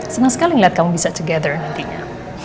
senang sekali melihat kamu bisa together nantinya